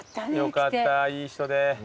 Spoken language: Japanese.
よかったいい人で。